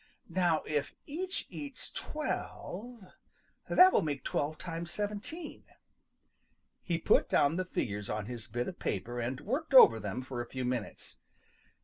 Now if each eats twelve, that will make twelve times seventeen." He put down the figures on his bit of paper and worked over them for a few minutes.